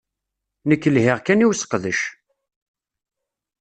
Nekk lhiɣ kan i useqdec!